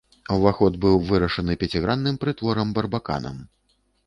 Уваход быў вырашаны пяцігранным прытворам-барбаканам.